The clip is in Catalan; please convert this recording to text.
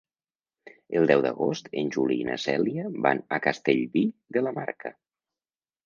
El deu d'agost en Juli i na Cèlia van a Castellví de la Marca.